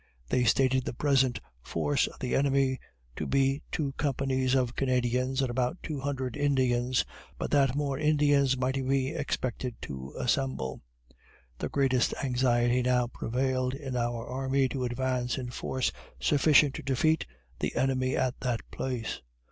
They stated the present force of the enemy to be two companies of Canadians, and about two hundred Indians, but that more Indians might be expected to assemble. The greatest anxiety now prevailed in our army to advance in force sufficient to defeat the enemy at that place.